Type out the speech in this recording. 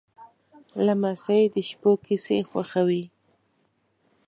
لمسی د شپو کیسې خوښوي.